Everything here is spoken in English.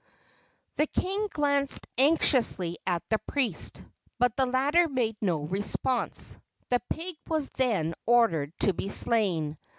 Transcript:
The king glanced anxiously at the priest, but the latter made no response. The pig was then ordered to be slain.